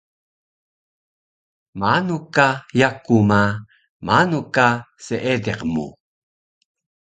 Maanu ka yaku ma, maanu ka seediq mu